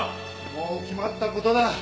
もう決まった事だ！